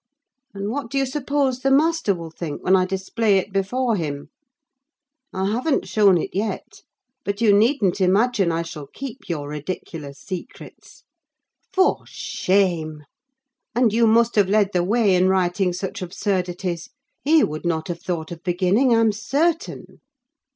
And what do you suppose the master will think when I display it before him? I hav'n't shown it yet, but you needn't imagine I shall keep your ridiculous secrets. For shame! and you must have led the way in writing such absurdities: he would not have thought of beginning, I'm certain."